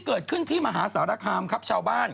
เกิดขึ้นที่มหาสารคามครับชาวบ้าน